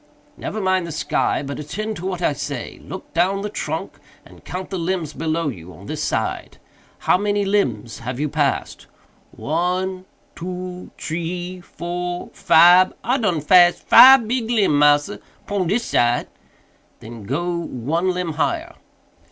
"Never mind the sky, but attend to what I say. Look down the trunk and count the limbs below you on this side. How many limbs have you passed?" "One, two, tree, four, fibe—I done pass fibe big limb, massa, pon dis side." "Then go one limb higher."